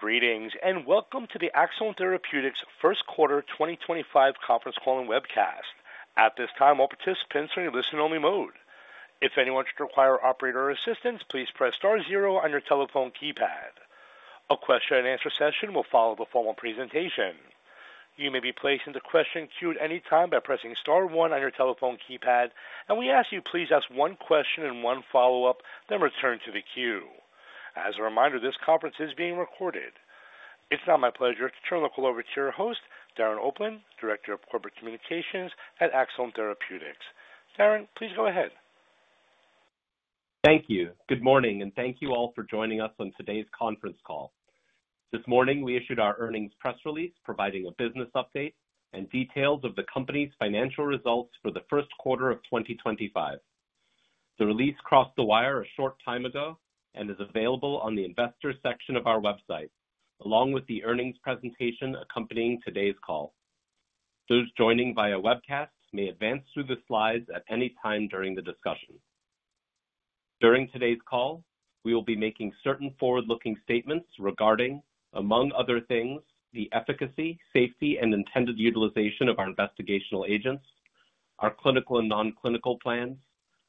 Greetings and welcome to the Axsome Therapeutics Q1 2025 Conference Call and Webcast. At this time, all participants are in listen-only mode. If anyone should require operator assistance, please press star zero on your telephone keypad. A question-and-answer session will follow the formal presentation. You may be placed into question queue at any time by pressing star one on your telephone keypad, and we ask you to please ask one question and one follow-up, then return to the queue. As a reminder, this conference is being recorded. It's now my pleasure to turn the call over to your host, Darren Opland, Director of Corporate Communications at Axsome Therapeutics. Darren, please go ahead. Thank you. Good morning, and thank you all for joining us on today's conference call. This morning, we issued our earnings press release, providing a business update and details of the company's financial results for the Q1 of 2025. The release crossed the wire a short time ago and is available on the investor section of our website, along with the earnings presentation accompanying today's call. Those joining via webcast may advance through the slides at any time during the discussion. During today's call, we will be making certain forward-looking statements regarding, among other things, the efficacy, safety, and intended utilization of our investigational agents, our clinical and non-clinical plans,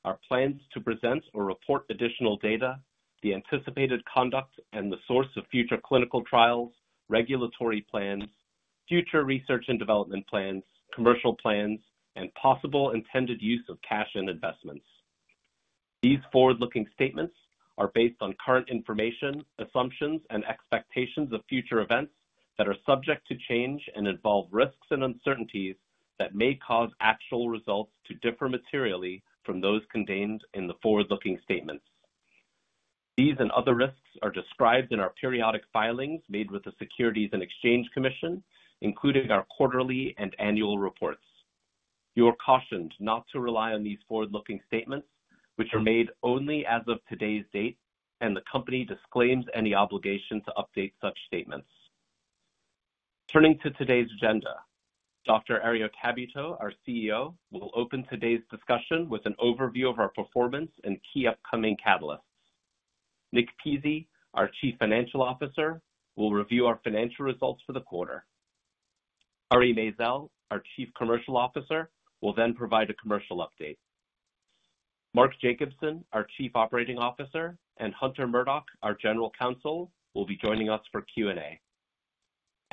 our plans to present or report additional data, the anticipated conduct, and the source of future clinical trials, regulatory plans, future research and development plans, commercial plans, and possible intended use of cash and investments. These forward-looking statements are based on current information, assumptions, and expectations of future events that are subject to change and involve risks and uncertainties that may cause actual results to differ materially from those contained in the forward-looking statements. These and other risks are described in our periodic filings made with the Securities and Exchange Commission, including our quarterly and annual reports. You are cautioned not to rely on these forward-looking statements, which are made only as of today's date, and the company disclaims any obligation to update such statements. Turning to today's agenda, Dr. Herriot Tabuteau, our CEO, will open today's discussion with an overview of our performance and key upcoming catalysts. Nick Pizzie, our Chief Financial Officer, will review our financial results for the quarter. Ari Maizel, our Chief Commercial Officer, will then provide a commercial update. Mark Jacobson, our Chief Operating Officer, and Hunter Murdock, our General Counsel, will be joining us for Q&A.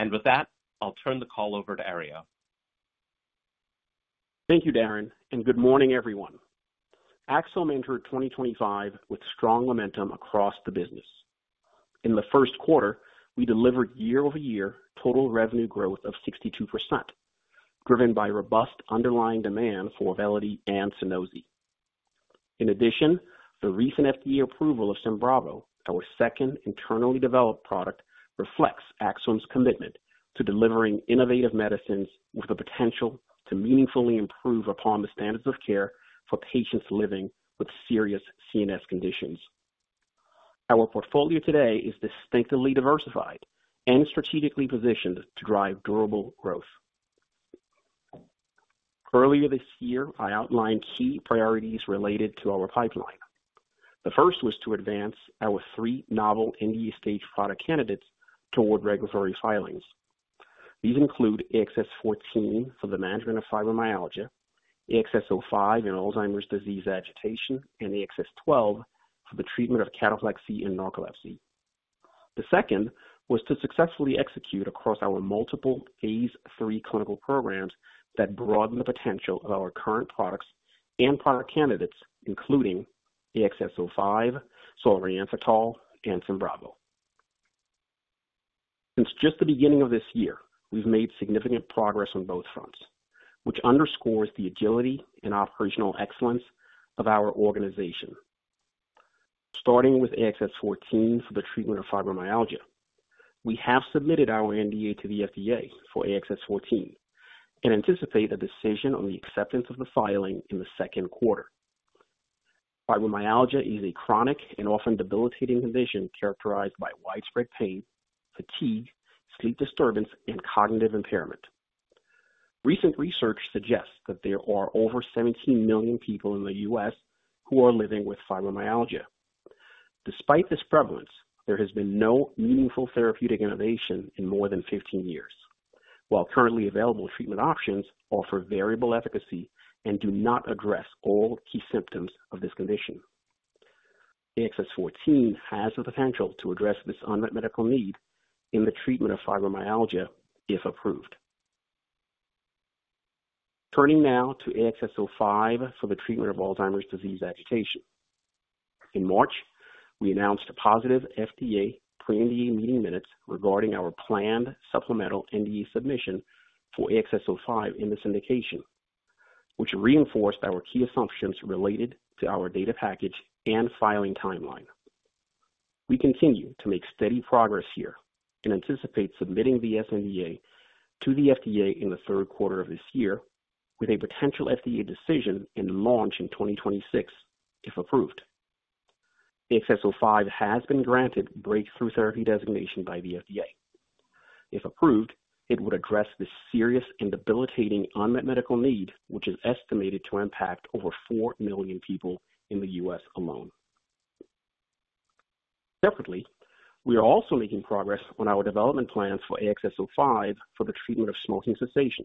I will turn the call over to Ari. Thank you, Darren, and good morning, everyone. Axsome Therapeutics entered 2025 with strong momentum across the business. In the Q1, we delivered year-over-year total revenue growth of 62%, driven by robust underlying demand for Auvelity and Sunosi. In addition, the recent FDA approval of SYMBRAVO, our second internally developed product, reflects Axsome Therapeutics' commitment to delivering innovative medicines with the potential to meaningfully improve upon the standards of care for patients living with serious CNS conditions. Our portfolio today is distinctly diversified and strategically positioned to drive durable growth. Earlier this year, I outlined key priorities related to our pipeline. The first was to advance our three novel NDA stage product candidates toward regulatory filings. These include AXS-14 for the management of fibromyalgia, AXS-05 in Alzheimer's disease agitation, and AXS-12 for the treatment of cataplexy and narcolepsy. The second was to successfully execute across our multiple phase III clinical programs that broaden the potential of our current products and product candidates, including AXS-05, Solriamfetol, and SYMBRAVO. Since just the beginning of this year, we've made significant progress on both fronts, which underscores the agility and operational excellence of our organization. Starting with AXS-14 for the treatment of fibromyalgia, we have submitted our NDA to the FDA for AXS-14 and anticipate a decision on the acceptance of the filing in the Q2. Fibromyalgia is a chronic and often debilitating condition characterized by widespread pain, fatigue, sleep disturbance, and cognitive impairment. Recent research suggests that there are over 17 million people in the US who are living with fibromyalgia. Despite this prevalence, there has been no meaningful therapeutic innovation in more than 15 years, while currently available treatment options offer variable efficacy and do not address all key symptoms of this condition. AXS-14 has the potential to address this unmet medical need in the treatment of fibromyalgia if approved. Turning now to AXS-05 for the treatment of Alzheimer's disease agitation. In March, we announced positive FDA pre-NDA meeting minutes regarding our planned supplemental NDA submission for AXS-05 in this indication, which reinforced our key assumptions related to our data package and filing timeline. We continue to make steady progress here and anticipate submitting the sNDA to the FDA in the Q3 of this year with a potential FDA decision and launch in 2026 if approved. AXS-05 has been granted breakthrough therapy designation by the FDA. If approved, it would address the serious and debilitating unmet medical need, which is estimated to impact over 4 million people in the US alone. Separately, we are also making progress on our development plans for AXS-05 for the treatment of smoking cessation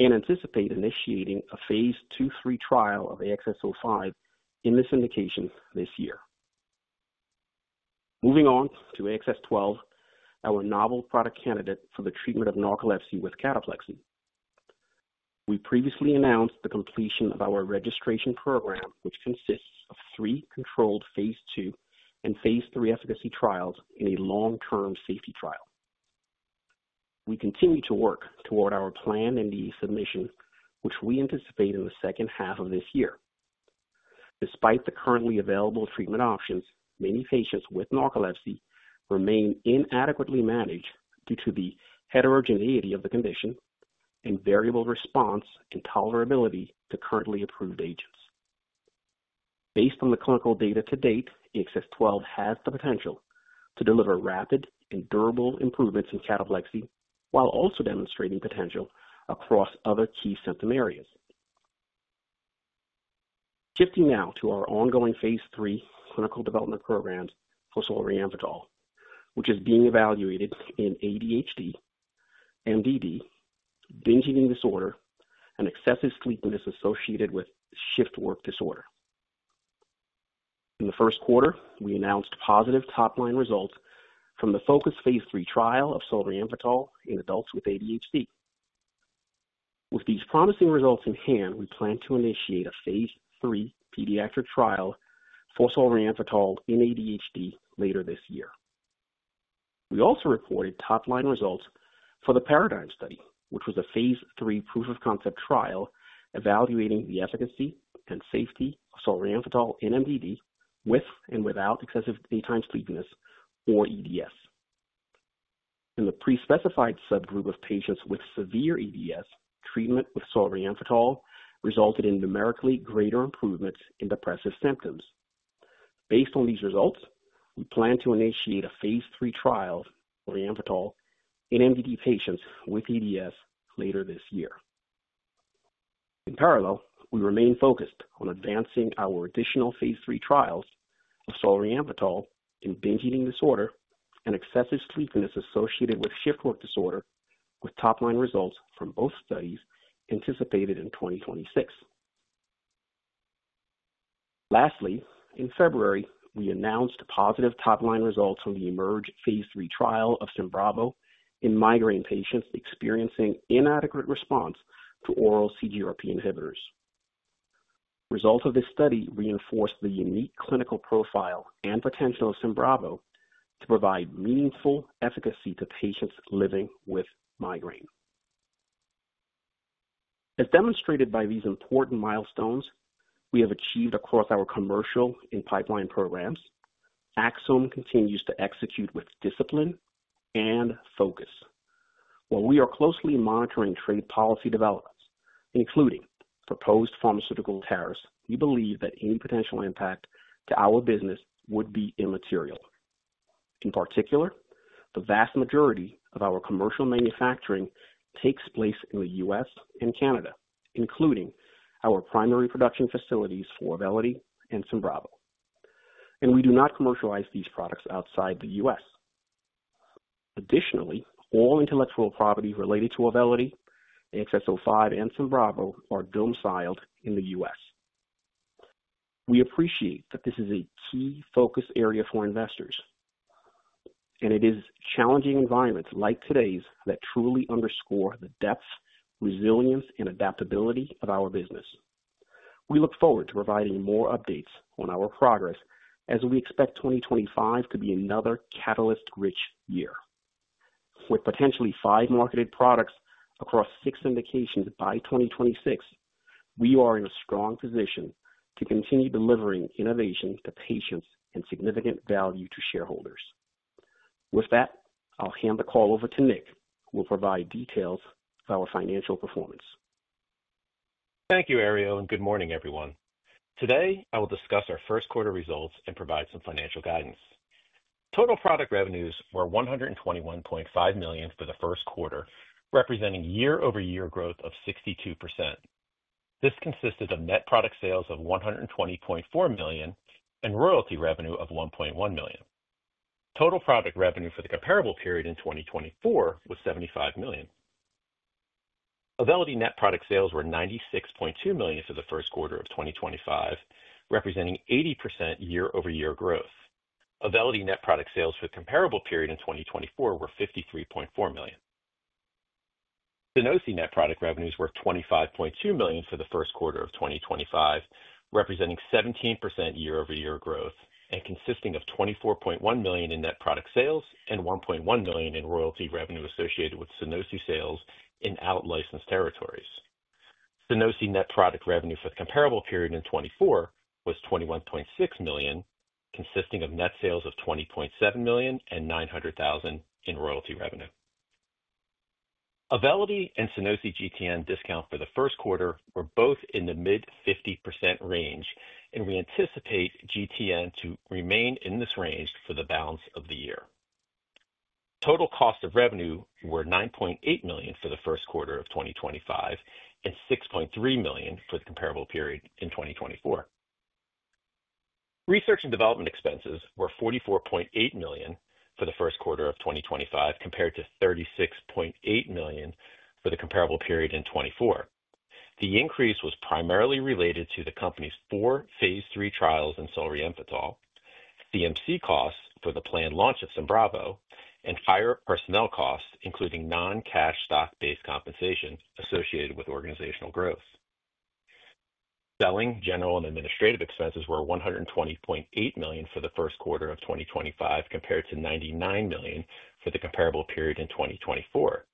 and anticipate initiating a phase II/III trial of AXS-05 in this indication this year. Moving on to AXS-12, our novel product candidate for the treatment of narcolepsy with cataplexy. We previously announced the completion of our registration program, which consists of three controlled phase II and phase III efficacy trials and a long-term safety trial. We continue to work toward our planned NDA submission, which we anticipate in the second half of this year. Despite the currently available treatment options, many patients with narcolepsy remain inadequately managed due to the heterogeneity of the condition and variable response and tolerability to currently approved agents. Based on the clinical data to date, AXS-12 has the potential to deliver rapid and durable improvements in cataplexy while also demonstrating potential across other key symptom areas. Shifting now to our ongoing phase III clinical development programs for Solriamfetol, which is being evaluated in ADHD, MDD, binge eating disorder, and excessive sleepiness associated with shift work disorder. In the Q1, we announced positive top-line results from the FOCUS phase III trial of Solriamfetol in adults with ADHD. With these promising results in hand, we plan to initiate a phase III pediatric trial for Solriamfetol in ADHD later this year. We also reported top-line results for the PARADIGM study, which was a phase III proof of concept trial evaluating the efficacy and safety of Solriamfetol in MDD with and without excessive daytime sleepiness or EDS. In the pre-specified subgroup of patients with severe EDS, treatment with Solriamfetol resulted in numerically greater improvements in depressive symptoms. Based on these results, we plan to initiate a phase III trial of Solriamfetol in MDD patients with EDS later this year. In parallel, we remain focused on advancing our additional phase III trials of Solriamfetol in binge eating disorder and excessive sleepiness associated with shift work disorder, with top-line results from both studies anticipated in 2026. Lastly, in February, we announced positive top-line results from the EMERGE phase III trial of SYMBRAVO in migraine patients experiencing inadequate response to oral CGRP inhibitors. Results of this study reinforce the unique clinical profile and potential of SYMBRAVO to provide meaningful efficacy to patients living with migraine. As demonstrated by these important milestones we have achieved across our commercial and pipeline programs, Axsome continues to execute with discipline and focus. While we are closely monitoring trade policy developments, including proposed pharmaceutical tariffs, we believe that any potential impact to our business would be immaterial. In particular, the vast majority of our commercial manufacturing takes place in the US and Canada, including our primary production facilities for Auvelity and Sunosi. We do not commercialize these products outside the US Additionally, all intellectual property related to Auvelity, AXS-05, and Sunosi are domiciled in the US We appreciate that this is a key focus area for investors, and it is challenging environments like today's that truly underscore the depth, resilience, and adaptability of our business. We look forward to providing more updates on our progress as we expect 2025 to be another catalyst-rich year. With potentially five marketed products across six indications by 2026, we are in a strong position to continue delivering innovation to patients and significant value to shareholders. With that, I'll hand the call over to Nick, who will provide details of our financial performance. Thank you, Herriot, and good morning, everyone. Today, I will discuss our Q1 results and provide some financial guidance. Total product revenues were $121.5 million for the Q1, representing year-over-year growth of 62%. This consisted of net product sales of $120.4 million and royalty revenue of $1.1 million. Total product revenue for the comparable period in 2024 was $75 million. Auvelity net product sales were $96.2 million for the Q1 of 2025, representing 80% year-over-year growth. Auvelity net product sales for the comparable period in 2024 were $53.4 million. Sunosi net product revenues were $25.2 million for the Q1 of 2025, representing 17% year-over-year growth and consisting of $24.1 million in net product sales and $1.1 million in royalty revenue associated with Sunosi sales in out-licensed territories. Sunosi net product revenue for the comparable period in 2024 was $21.6 million, consisting of net sales of $20.7 million and $900,000 in royalty revenue. Auvelity and Sunosi GTN discount for the Q1 were both in the mid-50% range, and we anticipate GTN to remain in this range for the balance of the year. Total cost of revenue were $9.8 million for the Q1 of 2025 and $6.3 million for the comparable period in 2024. Research and development expenses were $44.8 million for the Q1 of 2025, compared to $36.8 million for the comparable period in 2024. The increase was primarily related to the company's four phase III trials in Solriamfetol, CMC costs for the planned launch of SYMBRAVO, and higher personnel costs, including non-cash stock-based compensation associated with organizational growth. Selling, general, and administrative expenses were $120.8 million for the Q1 of 2025, compared to $99 million for the comparable period in 2024.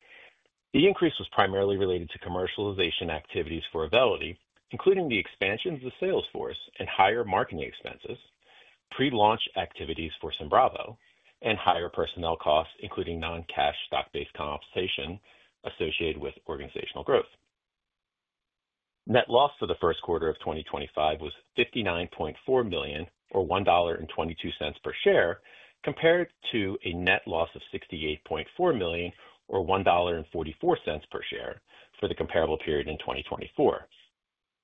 The increase was primarily related to commercialization activities for Auvelity, including the expansion of the sales force and higher marketing expenses, pre-launch activities for SYMBRAVO, and higher personnel costs, including non-cash stock-based compensation associated with organizational growth. Net loss for the Q1 of 2025 was $59.4 million, or $1.22 per share, compared to a net loss of $68.4 million, or $1.44 per share for the comparable period in 2024.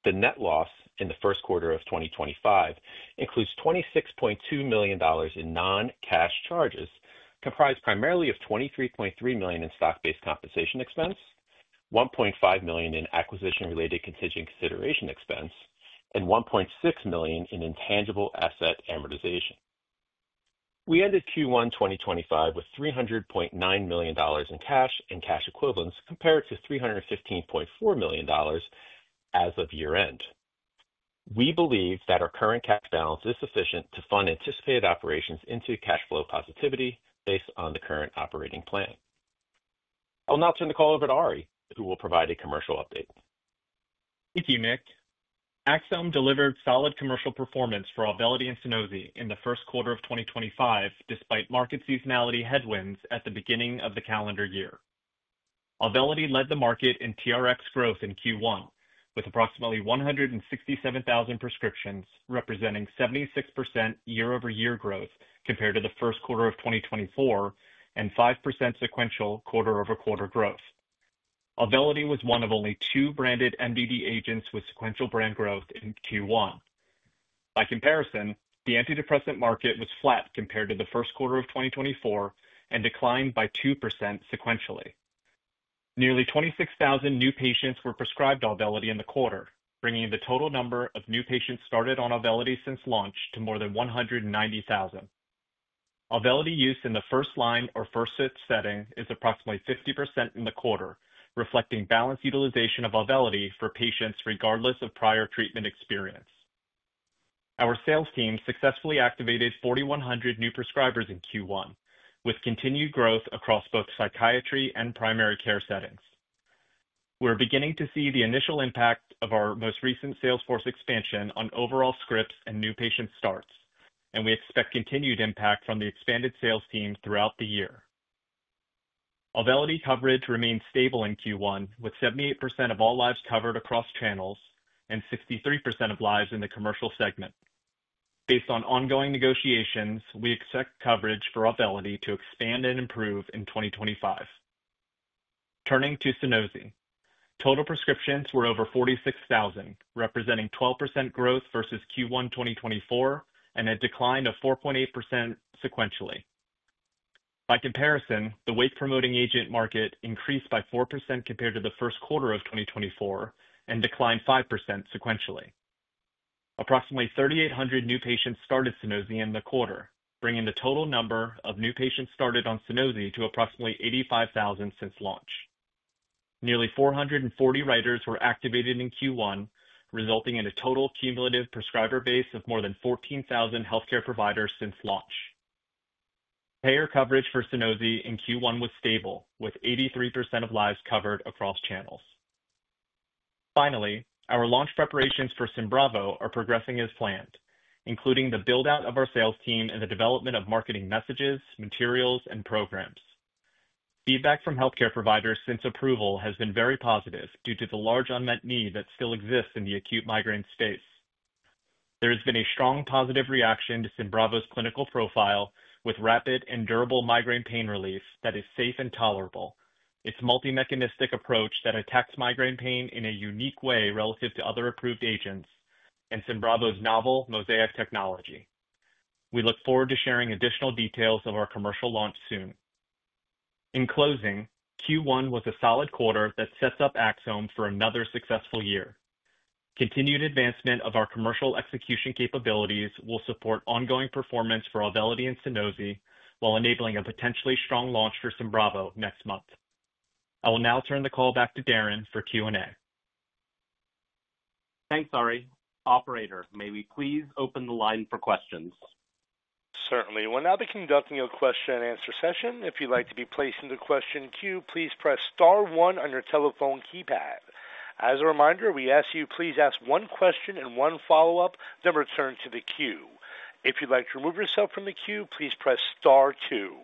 The net loss in the Q1 of 2025 includes $26.2 million in non-cash charges, comprised primarily of $23.3 million in stock-based compensation expense, $1.5 million in acquisition-related contingent consideration expense, and $1.6 million in intangible asset amortization. We ended Q1 2025 with $300.9 million in cash and cash equivalents compared to $315.4 million as of year-end. We believe that our current cash balance is sufficient to fund anticipated operations into cash flow positivity based on the current operating plan. I'll now turn the call over to Ari, who will provide a commercial update. Thank you, Nick. Axsome delivered solid commercial performance for Auvelity and Sunosi in the Q1 of 2025, despite market seasonality headwinds at the beginning of the calendar year. Auvelity led the market in TRX growth in Q1, with approximately 167,000 prescriptions, representing 76% year-over-year growth compared to the Q1 of 2024 and 5% sequential quarter-over-quarter growth. Auvelity was one of only two branded MDD agents with sequential brand growth in Q1. By comparison, the antidepressant market was flat compared to the Q1 of 2024 and declined by 2% sequentially. Nearly 26,000 new patients were prescribed Auvelity in the quarter, bringing the total number of new patients started on Auvelity since launch to more than 190,000. Auvelity use in the first-line or first-set setting is approximately 50% in the quarter, reflecting balanced utilization of Auvelity for patients regardless of prior treatment experience. Our sales team successfully activated 4,100 new prescribers in Q1, with continued growth across both psychiatry and primary care settings. We're beginning to see the initial impact of our most recent Salesforce expansion on overall scripts and new patient starts, and we expect continued impact from the expanded sales team throughout the year. Auvelity coverage remained stable in Q1, with 78% of all lives covered across channels and 63% of lives in the commercial segment. Based on ongoing negotiations, we expect coverage for Auvelity to expand and improve in 2025. Turning to Sunosi, total prescriptions were over 46,000, representing 12% growth versus Q1 2024 and a decline of 4.8% sequentially. By comparison, the weight-promoting agent market increased by 4% compared to the Q1 of 2024 and declined 5% sequentially. Approximately 3,800 new patients started Sunosi in the quarter, bringing the total number of new patients started on Sunosi to approximately 85,000 since launch. Nearly 440 writers were activated in Q1, resulting in a total cumulative prescriber base of more than 14,000 healthcare providers since launch. Payer coverage for Sunosi in Q1 was stable, with 83% of lives covered across channels. Finally, our launch preparations for SYMBRAVO are progressing as planned, including the build-out of our sales team and the development of marketing messages, materials, and programs. Feedback from healthcare providers since approval has been very positive due to the large unmet need that still exists in the acute migraine space. There has been a strong positive reaction to SYMBRAVO's clinical profile with rapid and durable migraine pain relief that is safe and tolerable, its multi-mechanistic approach that attacks migraine pain in a unique way relative to other approved agents, and SYMBRAVO's novel mosaic technology. We look forward to sharing additional details of our commercial launch soon. In closing, Q1 was a solid quarter that sets up Axsome for another successful year. Continued advancement of our commercial execution capabilities will support ongoing performance for Auvelity and Sunosi while enabling a potentially strong launch for SYMBRAVO next month. I will now turn the call back to Darren for Q&A. Thanks, Ari. Operator, may we please open the line for questions? Certainly. We'll now be conducting a question-and-answer session. If you'd like to be placed into the question queue, please press star one on your telephone keypad. As a reminder, we ask you please ask one question and one follow-up then return to the queue. If you'd like to remove yourself from the queue, please press star two.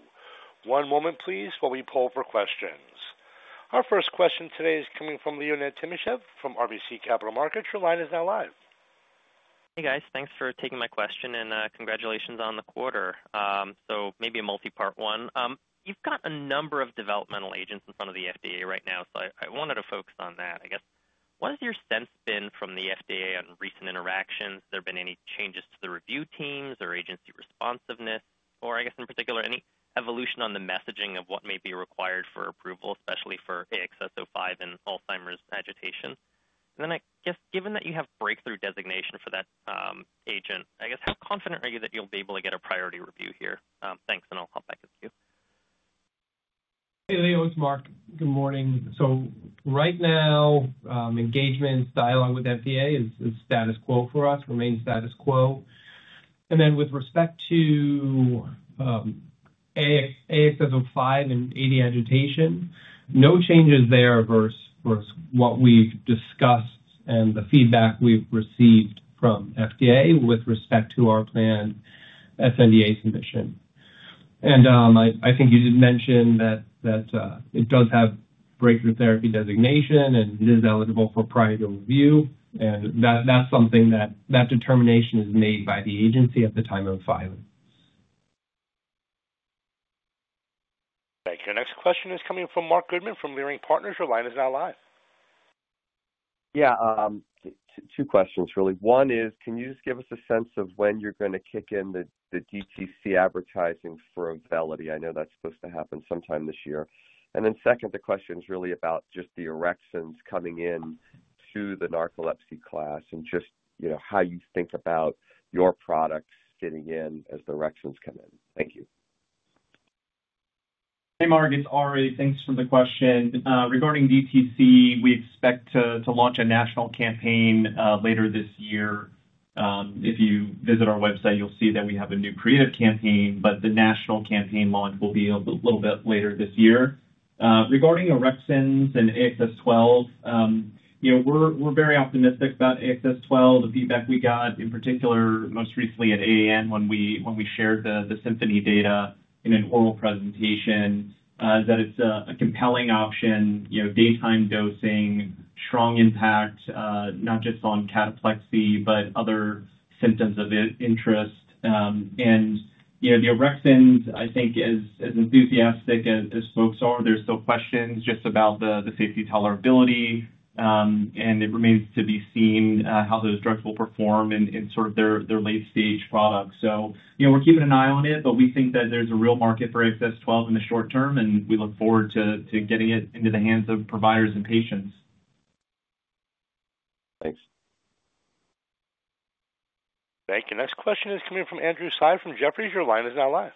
One moment, please, while we pull up our questions. Our first question today is coming from Leonid Timashev from RBC Capital Markets. Your line is now live. Hey, guys. Thanks for taking my question and congratulations on the quarter. Maybe a multi-part one. You've got a number of developmental agents in front of the FDA right now, so I wanted to focus on that, I guess. What has your sense been from the FDA on recent interactions? Has there been any changes to the review teams or agency responsiveness? I guess, in particular, any evolution on the messaging of what may be required for approval, especially for AXS-05 and Alzheimer's agitation? I guess, given that you have breakthrough designation for that agent, how confident are you that you'll be able to get a priority review here? Thanks, and I'll hop back into queue. Hey, Leo, it's Mark. Good morning. Right now, engagement and dialogue with FDA is status quo for us, remains status quo. With respect to AXS-05 and AD agitation, no changes there versus what we've discussed and the feedback we've received from FDA with respect to our planned sNDA submission. I think you did mention that it does have breakthrough therapy designation and is eligible for priority review. That's something that determination is made by the agency at the time of filing. Thank you. Our next question is coming from Marc Goodman from Leerink Partners. Your line is now live. Yeah. Two questions, really. One is, can you just give us a sense of when you're going to kick in the DTC advertising for Auvelity? I know that's supposed to happen sometime this year. The second, the question is really about just the orexin coming into the narcolepsy class and just how you think about your products getting in as the directions come in. Thank you. Hey, Marc. It's Ari. Thanks for the question. Regarding DTC, we expect to launch a national campaign later this year. If you visit our website, you'll see that we have a new creative campaign, but the national campaign launch will be a little bit later this year. Regarding orexins and AXS-12, we're very optimistic about AXS-12. The feedback we got, in particular, most recently at AAN when we shared the SYMPHONY data in an oral presentation, is that it's a compelling option, daytime dosing, strong impact, not just on cataplexy, but other symptoms of interest. The erections, I think, as enthusiastic as folks are, there's still questions just about the safety tolerability, and it remains to be seen how those drugs will perform in sort of their late-stage product. We're keeping an eye on it, but we think that there's a real market for AXS-12 in the short term, and we look forward to getting it into the hands of providers and patients. Thanks. Thank you. Next question is coming from Andrew Tsai from Jefferies. Your line is now live.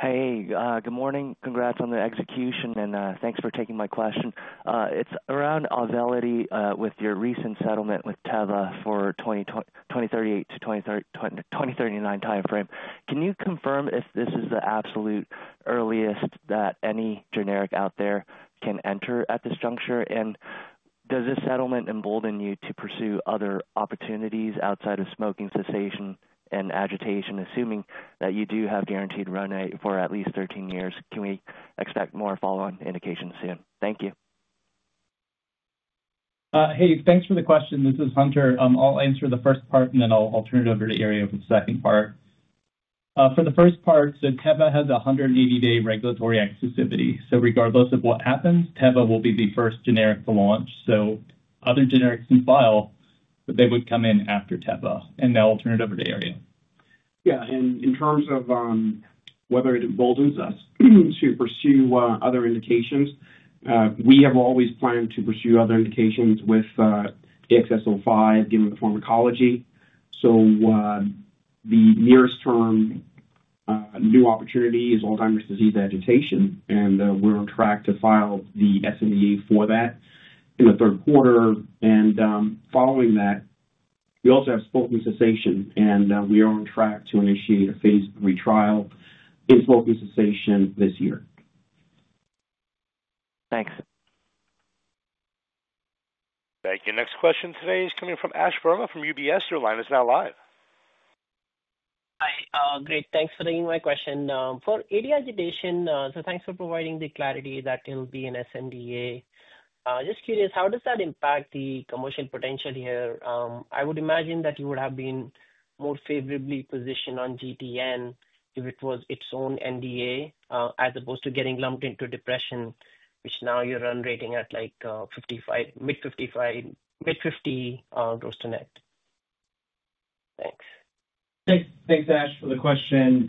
Hey, good morning. Congrats on the execution, and thanks for taking my question. It's around Auvelity with your recent settlement with Teva for 2038 to 2039 timeframe. Can you confirm if this is the absolute earliest that any generic out there can enter at this juncture? Does this settlement embolden you to pursue other opportunities outside of smoking cessation and agitation, assuming that you do have guaranteed runway for at least 13 years? Can we expect more follow-on indications soon? Thank you. Hey, thanks for the question. This is Hunter. I'll answer the first part, and then I'll turn it over to Herriot for the second part. For the first part, Teva has a 180-day regulatory exclusivity. Regardless of what happens, Teva will be the first generic to launch. Other generics can file, but they would come in after Teva. Now I'll turn it over to Herriot. Yeah. In terms of whether it emboldens us to pursue other indications, we have always planned to pursue other indications with AXS-05 given the pharmacology. The nearest term new opportunity is Alzheimer's disease agitation, and we're on track to file the sNDA for that in the Q3. Following that, we also have smoking cessation, and we are on track to initiate a phase III trial in smoking cessation this year. Thanks. Thank you. Next question today is coming from Ash Verma from UBS. Your line is now live. Hi. Great. Thanks for taking my question. For AD agitation, thanks for providing the clarity that it'll be an sNDA. Just curious, how does that impact the commercial potential here? I would imagine that you would have been more favorably positioned on GTN if it was its own NDA as opposed to getting lumped into depression, which now you're run rating at like mid-50 gross to net. Thanks. Thanks, Ash, for the question.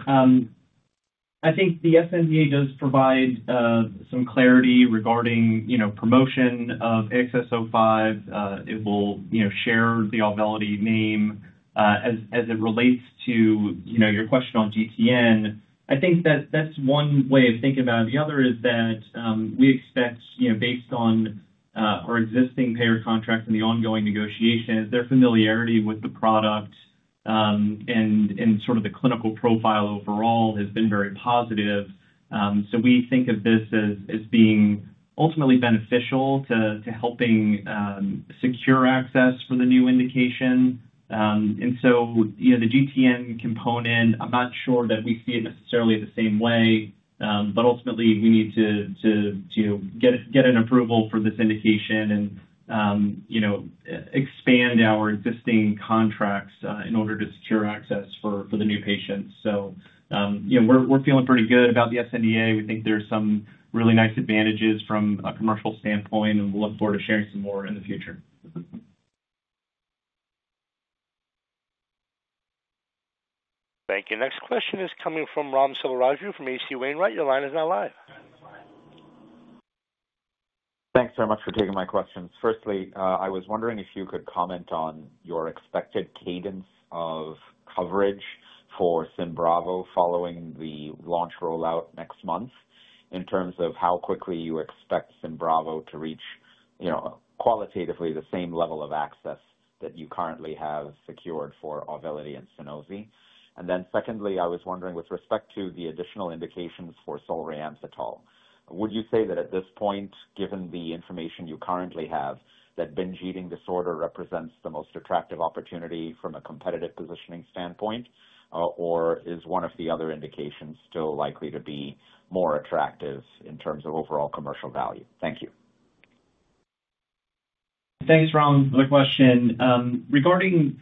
I think the sNDA does provide some clarity regarding promotion of AXS-05. It will share the Auvelity name as it relates to your question on GTN. I think that that's one way of thinking about it. The other is that we expect, based on our existing payer contract and the ongoing negotiations, their familiarity with the product and sort of the clinical profile overall has been very positive. We think of this as being ultimately beneficial to helping secure access for the new indication. The GTN component, I'm not sure that we see it necessarily the same way, but ultimately, we need to get an approval for this indication and expand our existing contracts in order to secure access for the new patients. We're feeling pretty good about the sNDA. We think there are some really nice advantages from a commercial standpoint, and we will look forward to sharing some more in the future. Thank you. Next question is coming from Ram Selvaraju from H.C. Wainwright. Your line is now live. Thanks very much for taking my questions. Firstly, I was wondering if you could comment on your expected cadence of coverage for SYMBRAVO following the launch rollout next month in terms of how quickly you expect SYMBRAVO to reach qualitatively the same level of access that you currently have secured for Auvelity and Sunosi. Secondly, I was wondering with respect to the additional indications for Solriamfetol, would you say that at this point, given the information you currently have, that binge eating disorder represents the most attractive opportunity from a competitive positioning standpoint, or is one of the other indications still likely to be more attractive in terms of overall commercial value? Thank you. Thanks, Ram. Another question. Regarding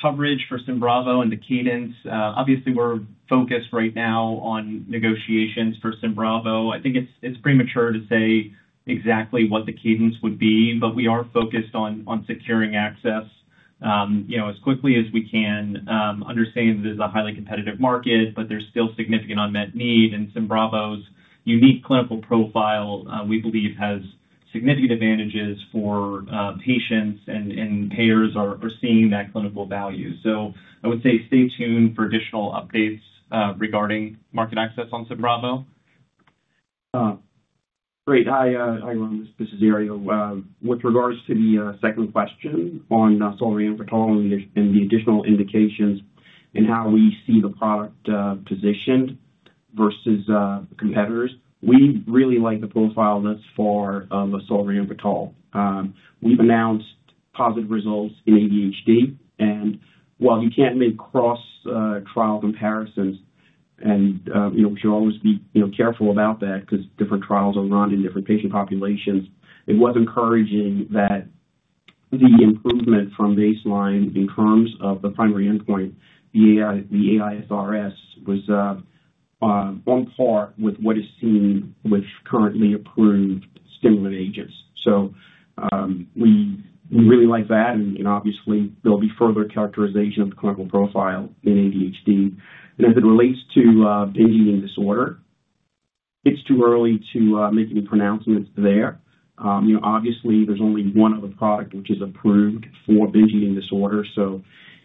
coverage for SYMBRAVO and the cadence, obviously, we're focused right now on negotiations for SYMBRAVO. I think it's premature to say exactly what the cadence would be, but we are focused on securing access as quickly as we can. I understand that it is a highly competitive market, but there's still significant unmet need. SYMBRAVO's unique clinical profile, we believe, has significant advantages for patients, and payers are seeing that clinical value. I would say stay tuned for additional updates regarding market access on SYMBRAVO. Great. Hi, Ari. This is Herriot. With regards to the second question on Solriamfetol and the additional indications and how we see the product positioned versus competitors, we really like the profile that's for Solriamfetol. We've announced positive results in ADHD. While you can't make cross-trial comparisons, and we should always be careful about that because different trials are run in different patient populations, it was encouraging that the improvement from baseline in terms of the primary endpoint, the AISRS, was on par with what is seen with currently approved stimulant agents. We really like that. Obviously, there'll be further characterization of the clinical profile in ADHD. As it relates to binge eating disorder, it's too early to make any pronouncements there. Obviously, there's only one other product which is approved for binge eating disorder.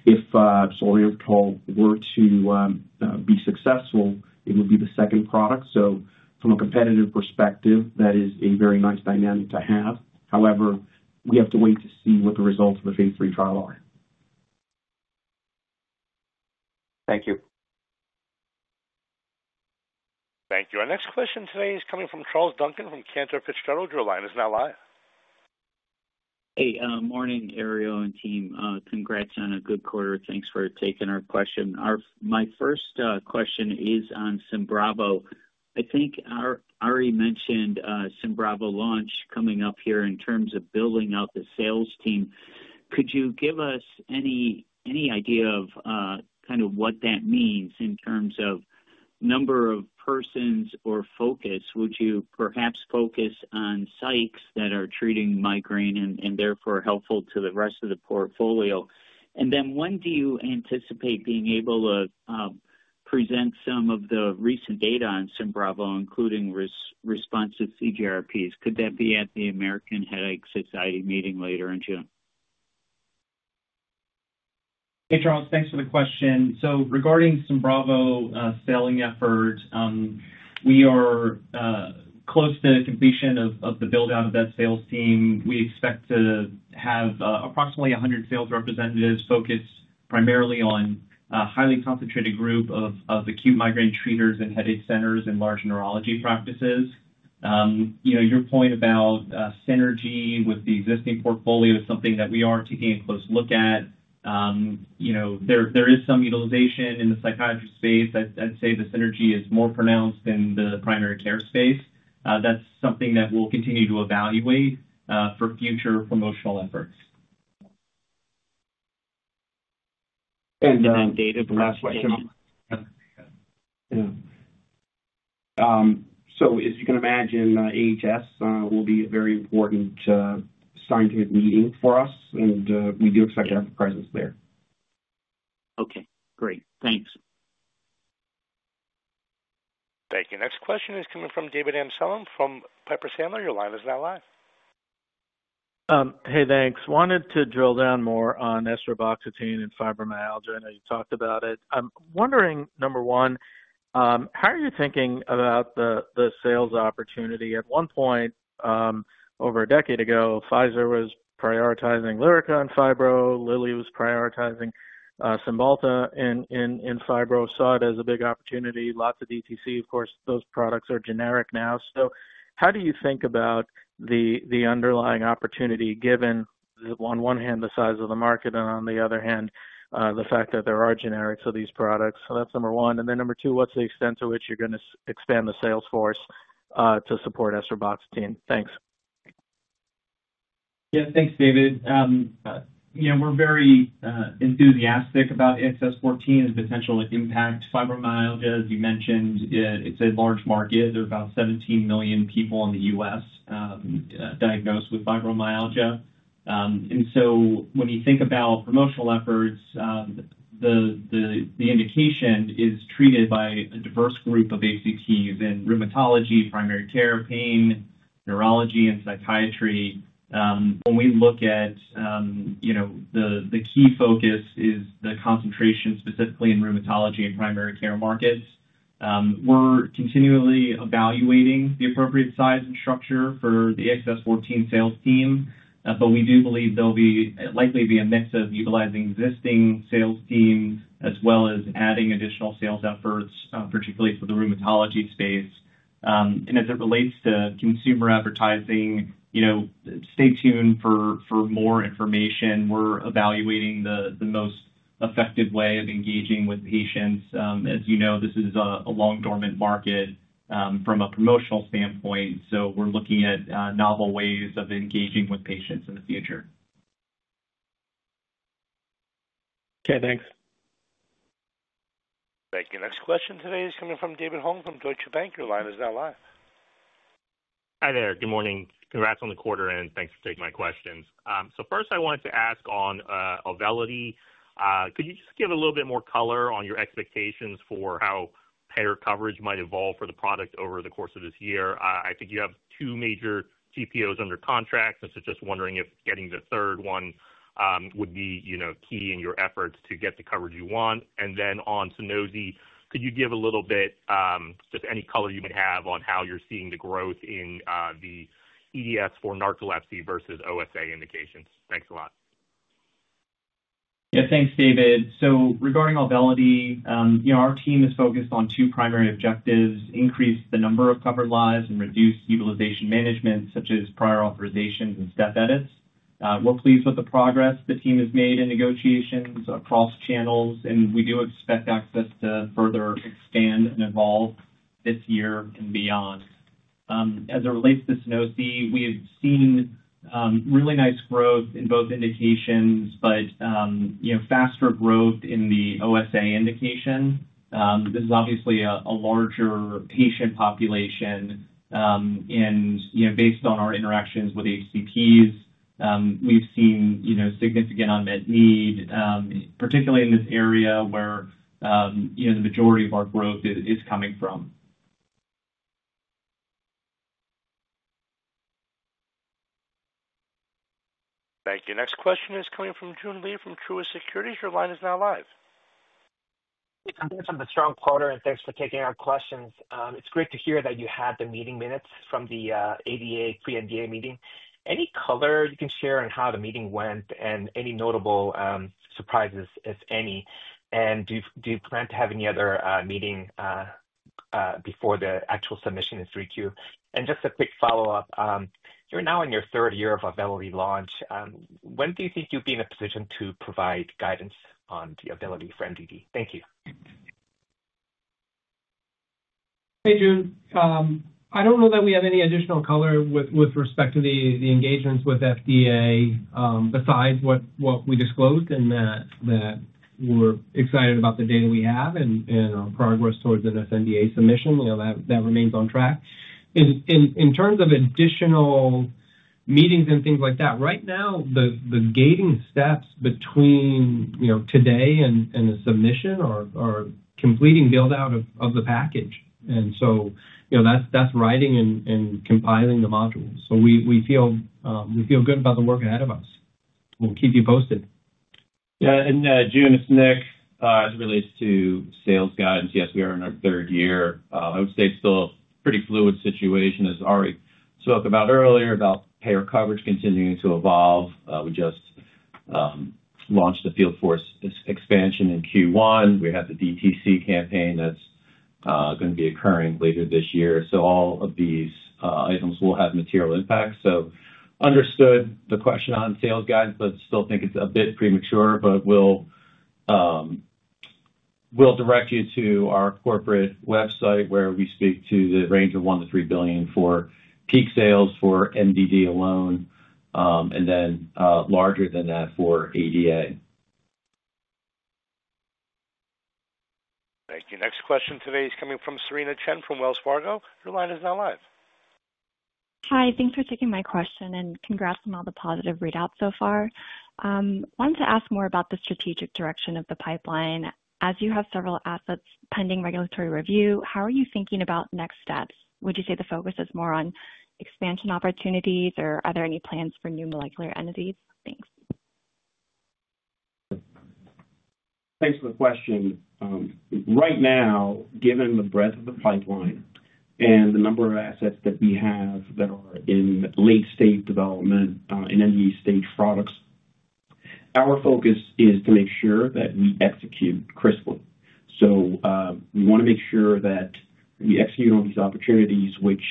If Solriamfetol were to be successful, it would be the second product. From a competitive perspective, that is a very nice dynamic to have. However, we have to wait to see what the results of the phase III trial are. Thank you. Thank you. Our next question today is coming from Charles Duncan from Cantor Fitzgerald. Your line is now live. Hey, morning, Herriot and team. Congrats on a good quarter. Thanks for taking our question. My first question is on SYMBRAVO. I think Ari mentioned SYMBRAVO launch coming up here in terms of building out the sales team. Could you give us any idea of kind of what that means in terms of number of persons or focus? Would you perhaps focus on psychs that are treating migraine and therefore helpful to the rest of the portfolio? When do you anticipate being able to present some of the recent data on SYMBRAVO, including responsive CGRPs? Could that be at the American Headache Society meeting later in June? Hey, Charles. Thanks for the question. Regarding SYMBRAVO's selling effort, we are close to the completion of the build-out of that sales team. We expect to have approximately 100 sales representatives focused primarily on a highly concentrated group of acute migraine treaters and headache centers and large neurology practices. Your point about synergy with the existing portfolio is something that we are taking a close look at. There is some utilization in the psychiatry space. I'd say the synergy is more pronounced in the primary care space. That's something that we'll continue to evaluate for future promotional efforts. David, last question. Yeah. As you can imagine, AHS will be a very important scientific meeting for us, and we do expect to have a presence there. Okay. Great. Thanks. Thank you. Next question is coming from David Amsellem from Piper Sandler. Your line is now live. Hey, thanks. Wanted to drill down more on esreboxetine and fibromyalgia. I know you talked about it. I'm wondering, number one, how are you thinking about the sales opportunity? At one point, over a decade ago, Pfizer was prioritizing LYRICA and fibro. Lilly was prioritizing Cymbalta and fibro. Saw it as a big opportunity. Lots of DTC. Of course, those products are generic now. How do you think about the underlying opportunity given, on one hand, the size of the market, and on the other hand, the fact that there are generics of these products? That's number one. Number two, what's the extent to which you're going to expand the sales force to support esreboxetine? Thanks. Yeah. Thanks, David. We're very enthusiastic about AXS-14 and potential impact. Fibromyalgia, as you mentioned, it's a large market. There are about 17 million people in the US diagnosed with fibromyalgia. When you think about promotional efforts, the indication is treated by a diverse group of HCPs in rheumatology, primary care, pain, neurology, and psychiatry. When we look at the key focus, it is the concentration specifically in rheumatology and primary care markets. We're continually evaluating the appropriate size and structure for the AXS-14 sales team, but we do believe there will likely be a mix of utilizing existing sales team as well as adding additional sales efforts, particularly for the rheumatology space. As it relates to consumer advertising, stay tuned for more information. We're evaluating the most effective way of engaging with patients. As you know, this is a long-dormant market from a promotional standpoint. We are looking at novel ways of engaging with patients in the future. Okay. Thanks. Thank you. Next question today is coming from David Hoang from Deutsche Bank. Your line is now live. Hi there. Good morning. Congrats on the quarter, and thanks for taking my questions. First, I wanted to ask on Auvelity. Could you just give a little bit more color on your expectations for how payer coverage might evolve for the product over the course of this year? I think you have two major GPOs under contract. I am just wondering if getting the third one would be key in your efforts to get the coverage you want. On Sunosi, could you give a little bit, just any color you would have on how you're seeing the growth in the EDS for narcolepsy versus OSA indications? Thanks a lot. Yeah. Thanks, David. Regarding Auvelity, our team is focused on two primary objectives: increase the number of covered lives and reduce utilization management, such as prior authorizations and step edits. We're pleased with the progress the team has made in negotiations across channels, and we do expect access to further expand and evolve this year and beyond. As it relates to Sunosi, we have seen really nice growth in both indications, but faster growth in the OSA indication. This is obviously a larger patient population. Based on our interactions with HCPs, we've seen significant unmet need, particularly in this area where the majority of our growth is coming from. Thank you. Next question is coming from Joon Lee from Truist Securities. Your line is now live. Thanks for the strong quarter, and thanks for taking our questions. It's great to hear that you had the meeting minutes from the ADA pre-NDA meeting. Any color you can share on how the meeting went and any notable surprises, if any? Do you plan to have any other meeting before the actual submission is Q3? Just a quick follow-up. You're now in your third year of Auvelity launch. When do you think you'll be in a position to provide guidance on the Auvelity for MDD? Thank you. Hey, Joon. I don't know that we have any additional color with respect to the engagements with FDA besides what we disclosed and that we're excited about the data we have and our progress towards an sNDA submission. That remains on track. In terms of additional meetings and things like that, right now, the gating steps between today and the submission are completing build-out of the package. That is writing and compiling the modules. We feel good about the work ahead of us. We'll keep you posted. Yeah. In June, it's Nick. As it relates to sales guidance, yes, we are in our third year. I would say it's still a pretty fluid situation, as Ari spoke about earlier, about payer coverage continuing to evolve. We just launched the field force expansion in Q1. We have the DTC campaign that's going to be occurring later this year. All of these items will have material impact. I understand the question on sales guidance, but I still think it's a bit premature. I will direct you to our corporate website where we speak to the range of $1 to 3 billion for peak sales for MDD alone, and then larger than that for ADA. Thank you. Next question today is coming from Cerena Chen from Wells Fargo. Your line is now live. Hi. Thanks for taking my question and congrats on all the positive readouts so far. I wanted to ask more about the strategic direction of the pipeline. As you have several assets pending regulatory review, how are you thinking about next steps? Would you say the focus is more on expansion opportunities, or are there any plans for new molecular entities? Thanks. Thanks for the question. Right now, given the breadth of the pipeline and the number of assets that we have that are in late-stage development and any stage products, our focus is to make sure that we execute crisply. We want to make sure that we execute on these opportunities, which,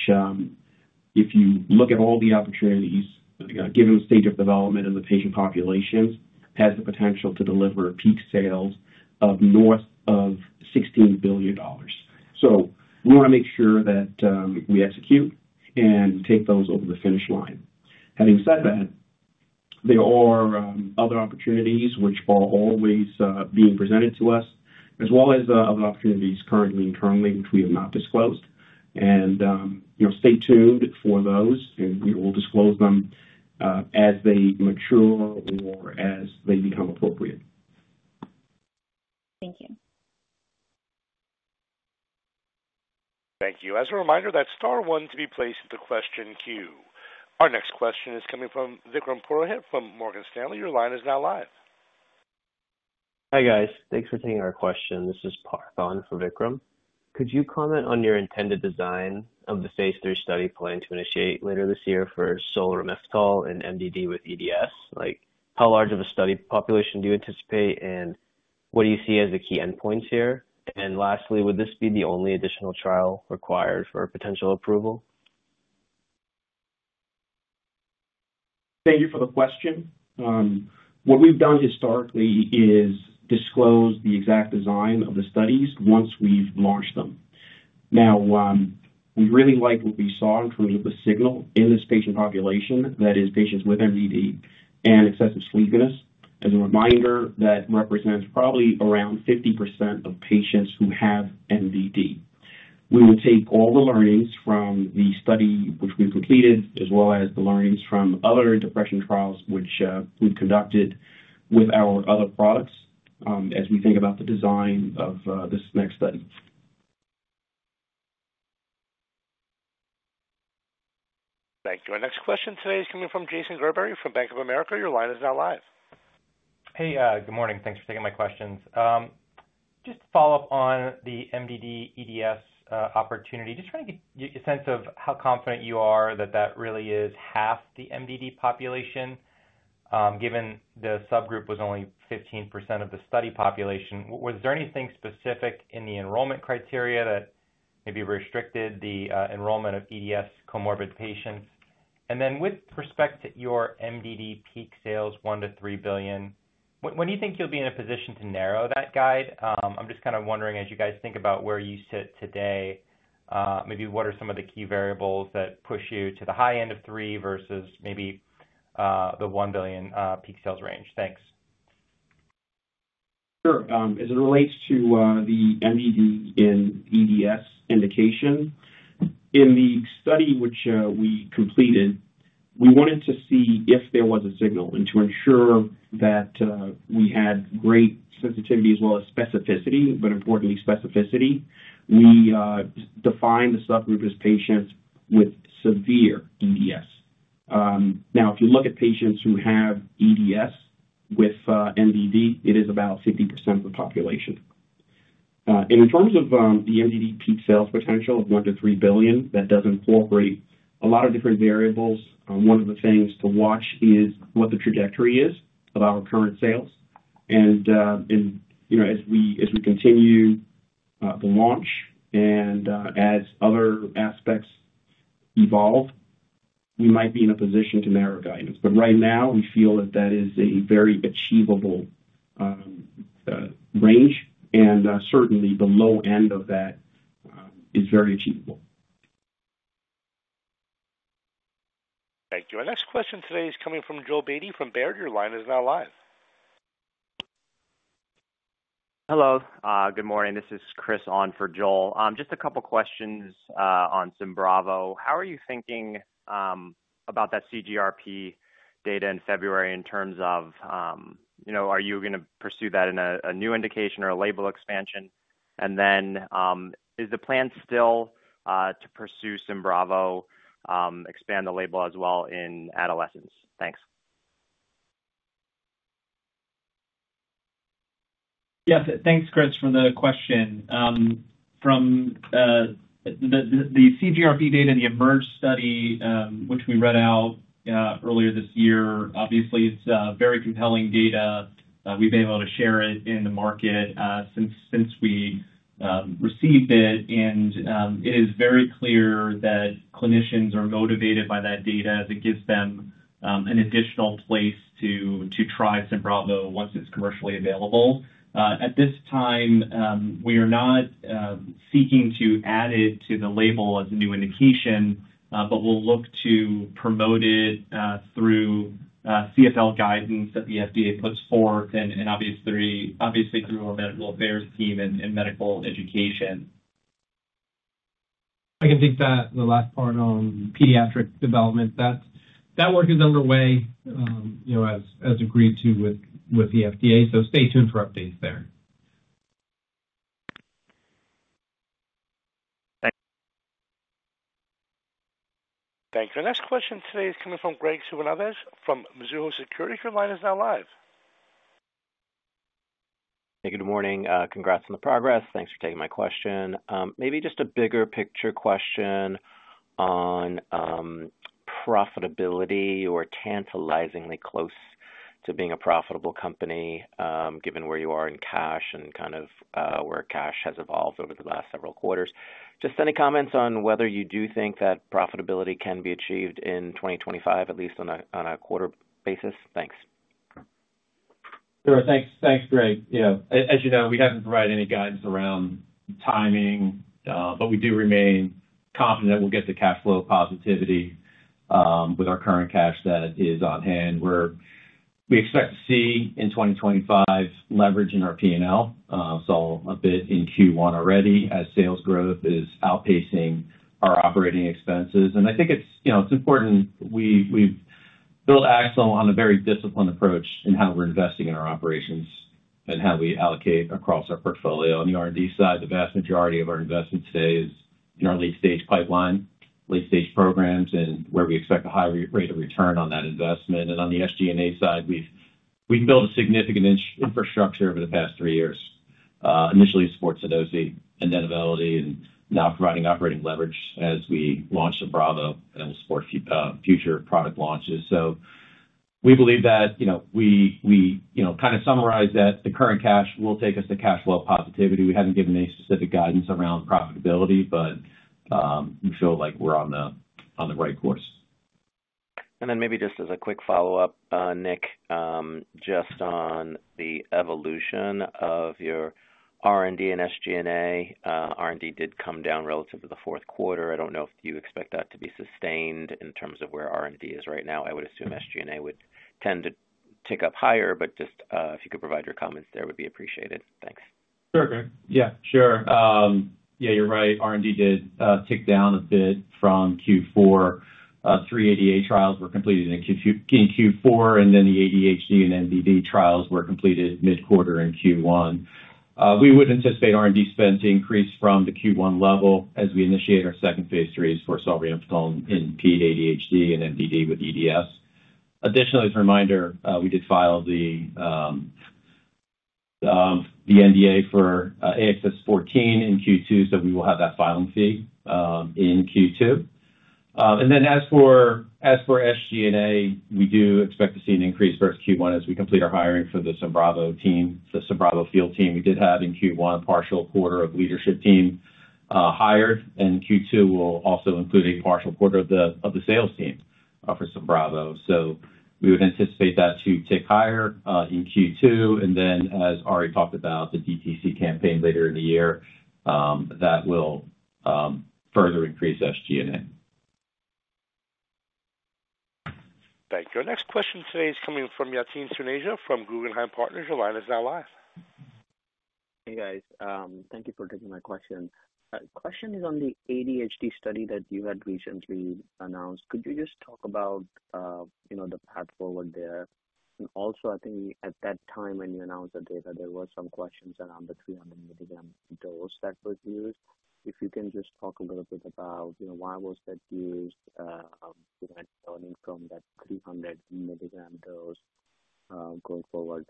if you look at all the opportunities, given the stage of development and the patient populations, has the potential to deliver peak sales of north of $16 billion. We want to make sure that we execute and take those over the finish line. Having said that, there are other opportunities which are always being presented to us, as well as other opportunities currently, which we have not disclosed. Stay tuned for those, and we will disclose them as they mature or as they become appropriate. Thank you. Thank you. As a reminder, that is star one to be placed in the question queue. Our next question is coming from Vikram Purohit from Morgan Stanley. Your line is now live. Hi guys. Thanks for taking our question. This is Parthan from Vikram. Could you comment on your intended design of the phase III study plan to initiate later this year for Solriamfetol and in MDD with EDS? How large of a study population do you anticipate, and what do you see as the key endpoints here? Lastly, would this be the only additional trial required for potential approval? Thank you for the question. What we've done historically is disclose the exact design of the studies once we've launched them. Now, we really like what we saw in terms of the signal in this patient population, that is, patients with MDD and excessive sleepiness. As a reminder, that represents probably around 50% of patients who have MDD. We will take all the learnings from the study which we've completed, as well as the learnings from other depression trials which we've conducted with our other products as we think about the design of this next study. Thank you. Our next question today is coming from Jason Gerberry from Bank of America. Your line is now live. Hey, good morning. Thanks for taking my questions. Just to follow up on the MDD/EDS opportunity, just trying to get a sense of how confident you are that that really is half the MDD population, given the subgroup was only 15% of the study population. Was there anything specific in the enrollment criteria that maybe restricted the enrollment of EDS comorbid patients? With respect to your MDD peak sales, $1 to 3 billion, when do you think you'll be in a position to narrow that guide? I'm just kind of wondering, as you guys think about where you sit today, maybe what are some of the key variables that push you to the high end of $3 billion versus maybe the $1 billion peak sales range. Thanks. Sure. As it relates to the MDD in EDS indication, in the study which we completed, we wanted to see if there was a signal and to ensure that we had great sensitivity as well as specificity, but importantly, specificity. We defined the subgroup as patients with severe EDS. Now, if you look at patients who have EDS with MDD, it is about 50% of the population. In terms of the MDD peak sales potential of $1 to 3 billion, that does incorporate a lot of different variables. One of the things to watch is what the trajectory is of our current sales. As we continue the launch and as other aspects evolve, we might be in a position to narrow guidance. Right now, we feel that that is a very achievable range, and certainly, the low end of that is very achievable. Thank you. Our next question today is coming from Joel Beatty from Baird. Your line is now live. Hello. Good morning. This is Chris on for Joel. Just a couple of questions on SYMBRAVO. How are you thinking about that CGRP data in February in terms of are you going to pursue that in a new indication or a label expansion? Is the plan still to pursue SYMBRAVO, expand the label as well in adolescents? Thanks. Yes. Thanks, Chris, for the question. From the CGRP data and the EMERGE study which we read out earlier this year, obviously, it's very compelling data. We've been able to share it in the market since we received it. It is very clear that clinicians are motivated by that data as it gives them an additional place to try SYMBRAVO once it's commercially available. At this time, we are not seeking to add it to the label as a new indication, but we'll look to promote it through CFL guidance that the FDA puts forth and obviously through our medical affairs team and medical education. I can take that, the last part on pediatric development. That work is underway, as agreed to, with the FDA. Stay tuned for updates there. Thank you. Our next question today is coming from Graig Suvannavejh from Mizuho Securities. Your line is now live. Hey, good morning. Congrats on the progress. Thanks for taking my question. Maybe just a bigger picture question on profitability or tantalizingly close to being a profitable company, given where you are in cash and kind of where cash has evolved over the last several quarters. Just any comments on whether you do think that profitability can be achieved in 2025, at least on a quarter basis? Thanks. Sure. Thanks, Graig. As you know, we haven't provided any guidance around timing, but we do remain confident that we'll get to cash flow positivity with our current cash that is on hand. We expect to see in 2025 leverage in our P&L. Saw a bit in Q1 already as sales growth is outpacing our operating expenses. I think it's important we've built Axsome on a very disciplined approach in how we're investing in our operations and how we allocate across our portfolio. On the R&D side, the vast majority of our investment today is in our late-stage pipeline, late-stage programs, and where we expect a high rate of return on that investment. On the SG&A side, we've built a significant infrastructure over the past three years, initially supported Sunosi and then Auvelity, and now providing operating leverage as we launch SYMBRAVO and will support future product launches. We believe that we kind of summarize that the current cash will take us to cash flow positivity. We haven't given any specific guidance around profitability, but we feel like we're on the right course. Maybe just as a quick follow-up, Nick, just on the evolution of your R&D and SG&A. R&D did come down relative to the Q4. I don't know if you expect that to be sustained in terms of where R&D is right now. I would assume SG&A would tend to tick up higher, but just if you could provide your comments there would be appreciated. Thanks. Sure, Graig. Yeah, sure. Yeah, you're right. R&D did tick down a bit from Q4. Three ADA trials were completed in Q4, and then the ADHD and MDD trials were completed mid-quarter in Q1. We would anticipate R&D spend to increase from the Q1 level as we initiate our second phase III for Solriamfetol in ADHD and MDD with EDS. Additionally, as a reminder, we did file the NDA for AXS-14 in Q2, so we will have that filing fee in Q2. As for SG&A, we do expect to see an increase versus Q1 as we complete our hiring for the SYMBRAVO team, the SYMBRAVO field team. We did have in Q1 a partial quarter of leadership team hired, and Q2 will also include a partial quarter of the sales team for SYMBRAVO. We would anticipate that to tick higher in Q2. As Ari talked about, the DTC campaign later in the year will further increase SG&A. Thank you. Our next question today is coming from Yatin Suneja from Guggenheim Partners.. Your line is now live. Hey, guys. Thank you for taking my question. The question is on the ADHD study that you had recently announced. Could you just talk about the path forward there? Also, I think at that time when you announced the data, there were some questions around the 300 milligram dose that was used. If you can just talk a little bit about why that was used, learning from that 300 milligram dose going forward.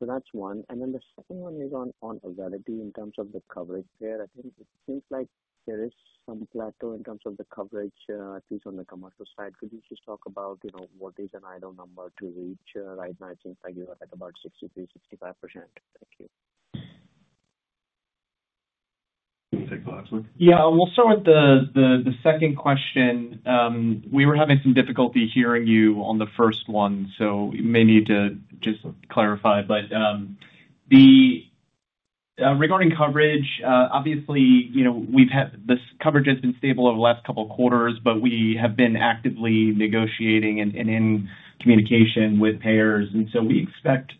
That's one. The second one is on Auvelity in terms of the coverage there. I think it seems like there is some plateau in terms of the coverage, at least on the commercial side. Could you just talk about what is an ideal number to reach? Right now, it seems like you are at about 63-65%. Thank you. Take the last one. Yeah. We'll start with the second question. We were having some difficulty hearing you on the first one, so you may need to just clarify. Regarding coverage, obviously, this coverage has been stable over the last couple of quarters. We have been actively negotiating and in communication with payers. We expect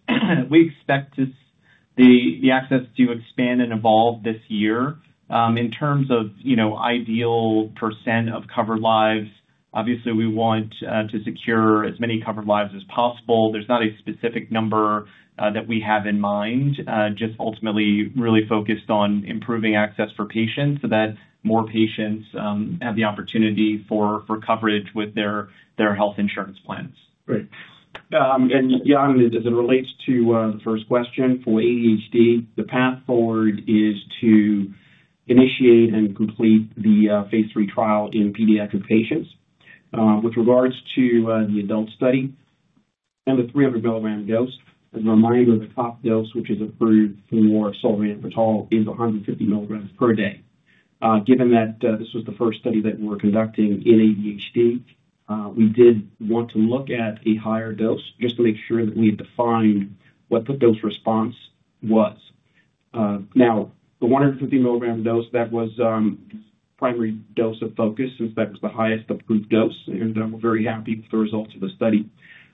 the access to expand and evolve this year. In terms of ideal % of covered lives, obviously, we want to secure as many covered lives as possible. There's not a specific number that we have in mind, just ultimately really focused on improving access for patients so that more patients have the opportunity for coverage with their health insurance plans. Great. Yatin, as it relates to the first question for ADHD, the path forward is to initiate and complete the phase III trial in pediatric patients. With regards to the adult study and the 300 milligram dose, as a reminder, the top dose, which is approved for Solriamfetol, is 150 milligrams per day. Given that this was the first study that we were conducting in ADHD, we did want to look at a higher dose just to make sure that we had defined what the dose response was. Now, the 150 milligram dose, that was the primary dose of focus since that was the highest approved dose. We are very happy with the results of the study,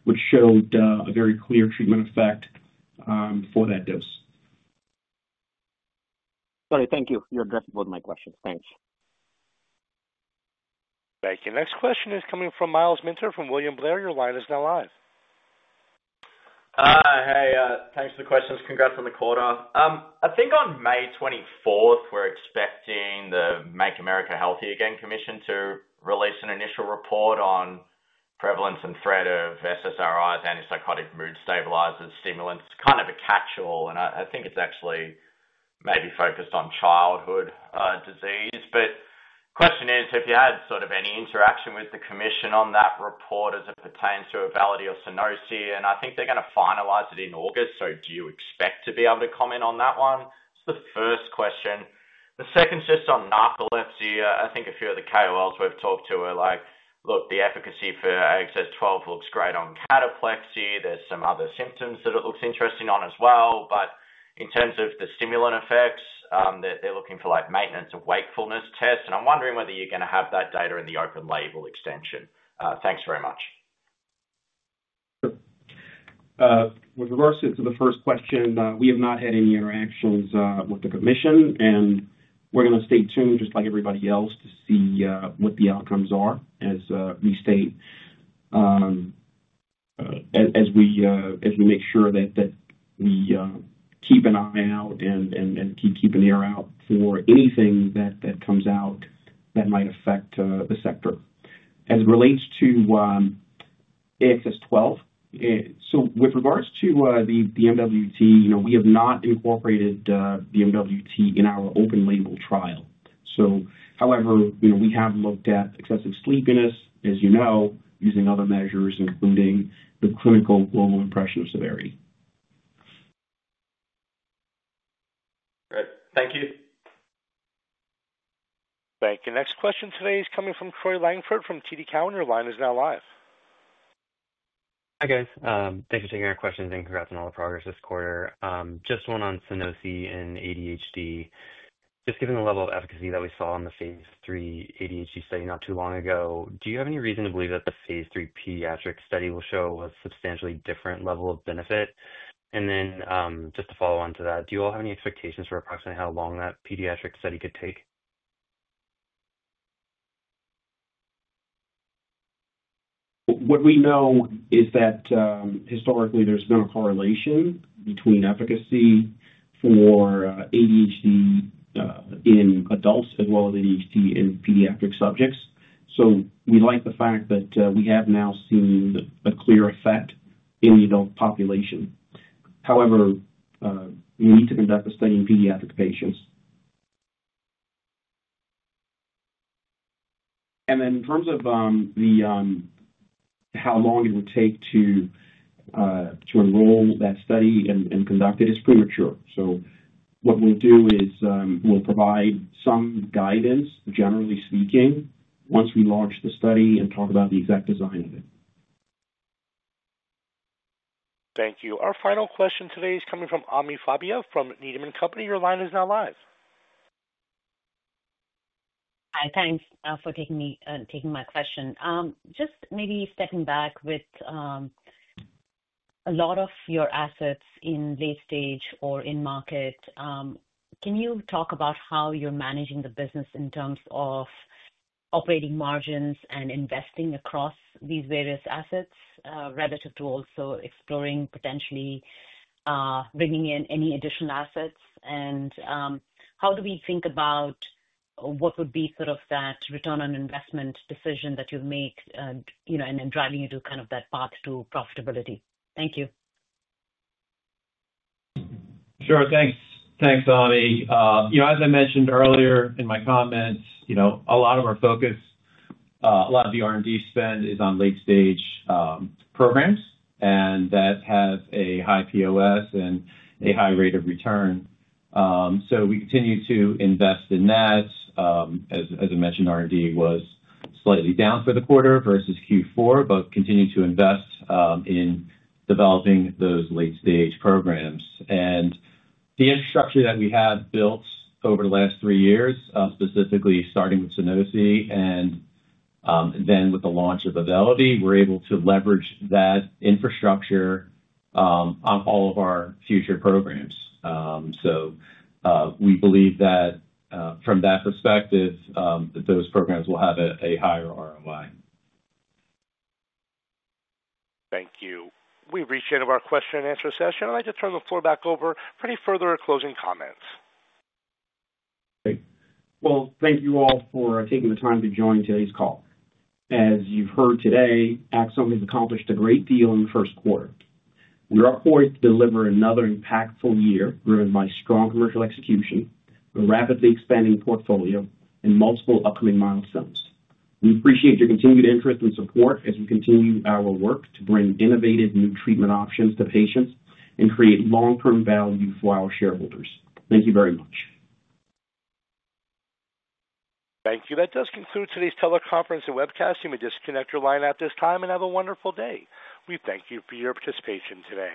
which showed a very clear treatment effect for that dose. Sorry. Thank you. You're addressing both my questions. Thanks. Thank you. Next question is coming from Myles Minter from William Blair. Your line is now live. Hey, thanks for the questions. Congrats on the quarter. I think on May 24th, we're expecting the Make America Healthy Again Commission to release an initial report on prevalence and threat of SSRIs, antipsychotic mood stabilizers, stimulants, kind of a catch-all. I think it's actually maybe focused on childhood disease. The question is, have you had sort of any interaction with the commission on that report as it pertains to Auvelity or Sunosi? I think they're going to finalize it in August. Do you expect to be able to comment on that one? It's the first question. The second is just on narcolepsy. I think a few of the KOLs we've talked to are like, "Look, the efficacy for AXS-12 looks great on cataplexy. are some other symptoms that it looks interesting on as well. In terms of the stimulant effects, they're looking for maintenance of wakefulness tests. I'm wondering whether you're going to have that data in the open-label extension. Thanks very much. Sure. With regards to the first question, we have not had any interactions with the commission, and we're going to stay tuned just like everybody else to see what the outcomes are, as we state as we make sure that we keep an eye out and keep an ear out for anything that comes out that might affect the sector. As it relates to AXS-12, with regards to the MWT, we have not incorporated the MWT in our open-label trial. However, we have looked at excessive sleepiness, as you know, using other measures, including the clinical global impression of severity. Great. Thank you. Thank you. Next question today is coming from Troy Langford from TD Cowen. Your line is now live. Hi, guys. Thanks for taking our questions and congrats on all the progress this quarter. Just one on Sunosi and ADHD. Just given the level of efficacy that we saw on the phase III ADHD study not too long ago, do you have any reason to believe that the phase III pediatric study will show a substantially different level of benefit? Just to follow on to that, do you all have any expectations for approximately how long that pediatric study could take? What we know is that historically, there's been a correlation between efficacy for ADHD in adults as well as ADHD in pediatric subjects. We like the fact that we have now seen a clear effect in the adult population. However, we need to conduct the study in pediatric patients. In terms of how long it would take to enroll that study and conduct it, it's premature. What we'll do is we'll provide some guidance, generally speaking, once we launch the study and talk about the exact design of it. Thank you. Our final question today is coming from Ami Fadia from Needham & Company. Your line is now live. Hi. Thanks for taking my question. Just maybe stepping back with a lot of your assets in late stage or in market, can you talk about how you're managing the business in terms of operating margins and investing across these various assets relative to also exploring potentially bringing in any additional assets? How do we think about what would be sort of that return on investment decision that you'll make and then driving you to kind of that path to profitability? Thank you. Sure. Thanks. Thanks, Ami. As I mentioned earlier in my comments, a lot of our focus, a lot of the R&D spend is on late-stage programs that have a high POS and a high rate of return. We continue to invest in that. As I mentioned, R&D was slightly down for the quarter versus Q4, but continue to invest in developing those late-stage programs. The infrastructure that we have built over the last three years, specifically starting with Sunosi and then with the launch of Auvelity, we're able to leverage that infrastructure on all of our future programs. We believe that from that perspective, those programs will have a higher ROI. Thank you. We've reached the end of our question and answer session. I'd like to turn the floor back over for any further closing comments. Great. Thank you all for taking the time to join today's call. As you've heard today, Axsome Therapeutics has accomplished a great deal in the Q1. We are poised to deliver another impactful year driven by strong commercial execution, a rapidly expanding portfolio, and multiple upcoming milestones. We appreciate your continued interest and support as we continue our work to bring innovative new treatment options to patients and create long-term value for our shareholders. Thank you very much. Thank you. That does conclude today's teleconference and webcast. You may disconnect your line at this time and have a wonderful day. We thank you for your participation today.